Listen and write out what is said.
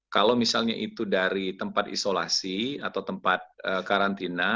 kalau misalnya itu dari tempat isolasi atau tempat karantina